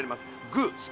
グー下。